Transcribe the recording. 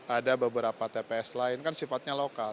ada beberapa tps lain kan sifatnya lokal